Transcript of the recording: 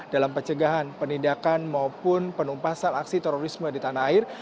dalam pencegahan penindakan maupun penumpasan aksi terorisme di tanah air